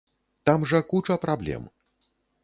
Там жа куча праблем.